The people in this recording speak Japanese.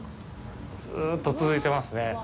ずうっと続いてますね。